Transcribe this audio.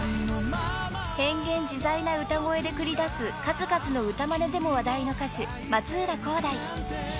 ［変幻自在な歌声で繰り出す数々の歌まねでも話題の歌手］